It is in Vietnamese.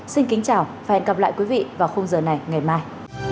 xin kính chào và hẹn gặp lại quý vị vào khung giờ này ngày mai